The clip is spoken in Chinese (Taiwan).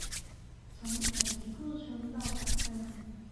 從採集過程到檔案